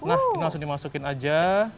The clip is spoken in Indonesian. nah ini langsung dimasukin aja